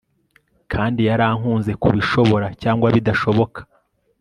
kandi yarankunze kubishobora cyangwa bidashoboka